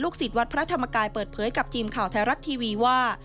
สิทธิ์วัดพระธรรมกายเปิดเผยกับทีมข่าวไทยรัฐทีวีว่า